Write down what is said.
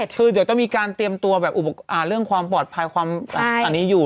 คือเดี๋ยวต้องมีการเตรียมตัวแบบเรื่องความปลอดภัยความอันนี้อยู่